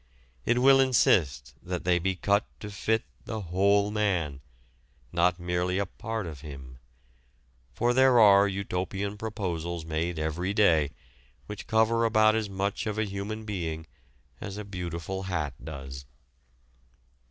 It will insist that they be cut to fit the whole man, not merely a part of him. For there are utopian proposals made every day which cover about as much of a human being as a beautiful hat does.